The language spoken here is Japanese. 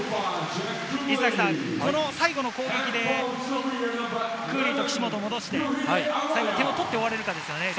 最後の攻撃でクーリーと岸本を戻して点を取って終われるかですよね。